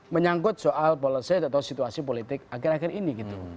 menyangkut soal policy atau situasi politik akhir akhir ini gitu